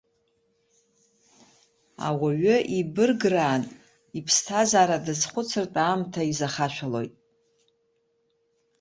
Ауаҩы ибырграан, иԥсҭазаара дазхәыцыртә аамҭа изахашәалоит.